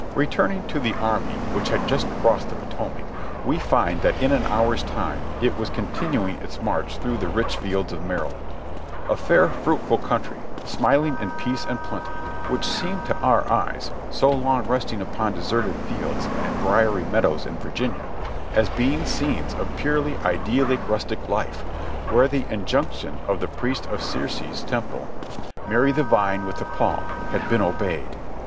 Returning to the army which had just crossed the Potomac, we find that in an hour's time it was continuing its march through the rich fields of Maryland; a fair, fruitful country, smiling in peace and plenty, which seemed to our eyes, so long resting upon deserted fields and briery meadows in Virginia, as being scenes of purely idyllic rustic life, where the injunction of the priest of Ceres's temple, "Marry the vine with the palm," had been obe^^ed.